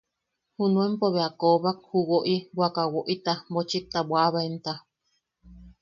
Junuenpo bea a koobak juʼu woʼi wakaʼa woʼita mochikta bwaʼabaemta.